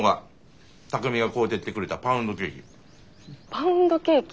パウンドケーキ？